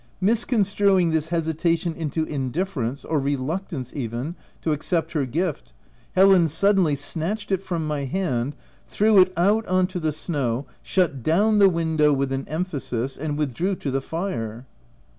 Misconstruing this hesi tation into indifference — or reluctance even— to accept her gift, Helen suddenly snatched it from my hand, threw it out on to the snow, shut down the window with an emphasis, and withdrew to the fire.